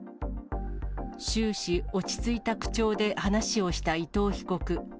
終始落ち着いた口調で話をした伊藤被告。